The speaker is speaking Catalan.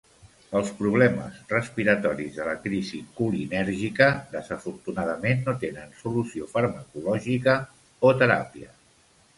Els problemes respiratoris de la crisi colinèrgica desafortunadament no tenen solució farmacològica o teràpia.